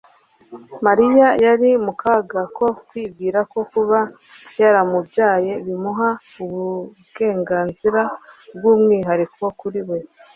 Mariya yari mu kaga ko kwibwira ko kuba yaramubyaye bimuha ubmenganzira bw'umwihariko kuri we,